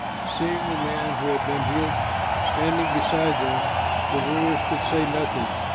Seeing the man who had been healed standing beside them, the rulers could say nothing.